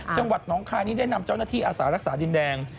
จังหวัดน้องคายนี้ได้นำเจ้าหน้าที่อาสารักษาดินแดง